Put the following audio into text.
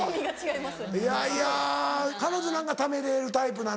いやいや彼女なんかためれるタイプなの？